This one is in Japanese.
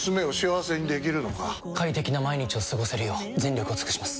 快適な毎日を過ごせるよう全力を尽くします！